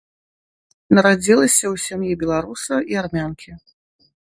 Нарадзілася ў сям'і беларуса і армянкі.